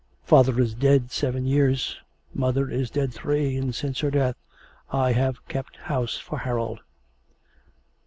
Father is dead seven years, mother is dead three, and since her death I have kept house for Harold.'